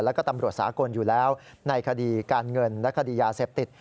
แล้วก็ตำรวจสากลอยู่แล้วในคดีการเงินและคดียาเสพติด